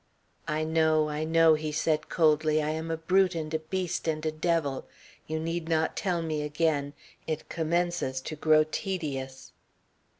"I know, I know," he said coldly. "I am a brute and a beast and a devil. You need not tell me again. It commences to grow tedious."